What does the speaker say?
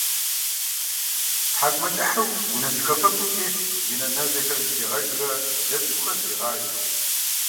ТхьэкӀумэкӀыхьыр унэ жэхэфэгум тест, и нэ назэхэр зэблигъэжурэ дэ цӀыкӀухэр зэригъажэу.